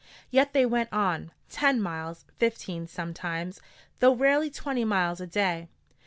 Yet they went on ten miles, fifteen sometimes, though rarely twenty miles a day.